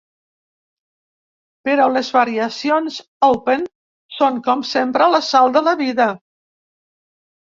Però les variacions “open” són, com sempre, la sal de la vida.